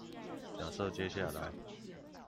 假設接下來